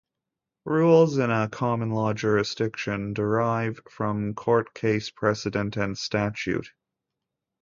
Rules in a common law jurisdiction derive from court case precedent and statute.